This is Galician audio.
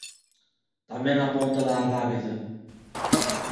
Tamén a Ponte da Arrábida.